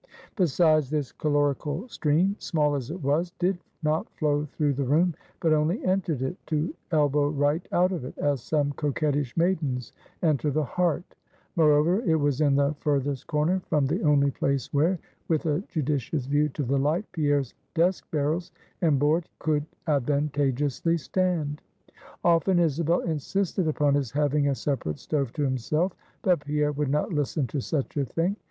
Besides, this calorical stream, small as it was, did not flow through the room, but only entered it, to elbow right out of it, as some coquettish maidens enter the heart; moreover, it was in the furthest corner from the only place where, with a judicious view to the light, Pierre's desk barrels and board could advantageously stand. Often, Isabel insisted upon his having a separate stove to himself; but Pierre would not listen to such a thing.